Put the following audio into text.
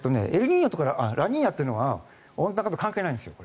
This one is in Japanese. ラニーニャというのは温暖化と関係ないんです。